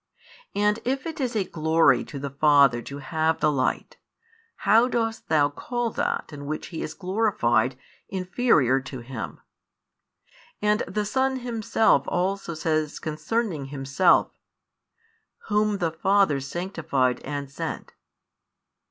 And if it is a glory to the Father to have the Light, how dost thou call that in which He is glorified inferior to Him? And the Son Himself also says concerning Himself: Whom the Father sanctified and sent.